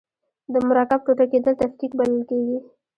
د مرکب ټوټه کیدل تفکیک بلل کیږي.